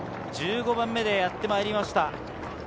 １５番目でやってきました。